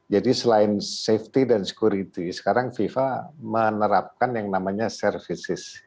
jadi selain safety dan security sekarang fifa menerapkan yang namanya services